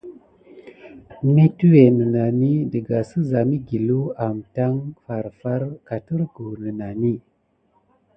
Mitiwé nenani dəga səza migueliw amtaŋ farfar, katerguh nənani.